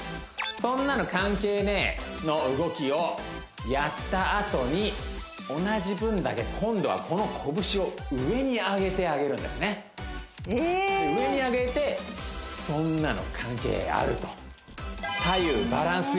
そんなの関係ねぇ！の動きをやったあとに同じ分だけ今度はこの拳を上にあげてあげるんですねえ上にあげてそんなの関係ある！と左右バランス